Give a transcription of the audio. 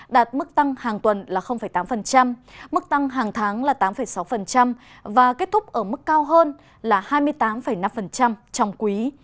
đạt mức tăng hàng tuần là tám mức tăng hàng tháng là tám sáu và kết thúc ở mức cao hơn là hai mươi tám năm trong quý